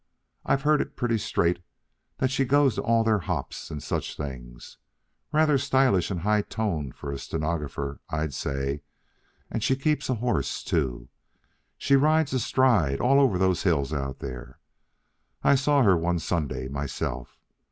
I've heard it pretty straight that she goes to all their hops and such things. Rather stylish and high toned for a stenographer, I'd say. And she keeps a horse, too. She rides astride all over those hills out there. I saw her one Sunday myself.